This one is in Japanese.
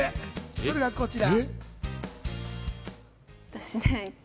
それがこちら。